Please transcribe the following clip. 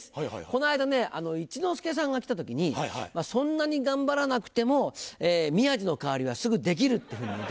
この間一之輔さんが来た時に「そんなに頑張らなくても宮治の代わりはすぐできる」ってふうに言ってたんですね。